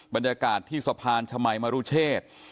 บรรยากาศที่สะพานชมัยมรุเชษ